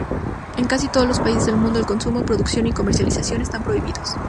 En casi todos los países del mundo, el consumo, producción y comercialización están prohibidos.